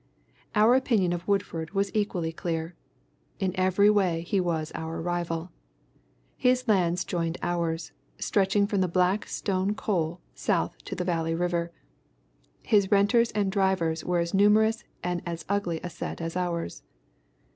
Our opinion of Woodford was equally clear. In every way he was our rival. His lands joined ours, stretching from the black Stone Coal south to the Valley River. His renters and drivers were as numerous and as ugly a set as ours.